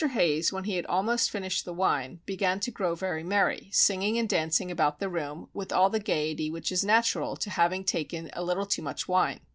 Hayes, when he had almost finished the wine, began to grow very merry, singing and dancing about the room with all the gaiety which is natural to having taken a little too much wine.